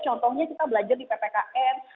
contohnya kita belajar di ppkm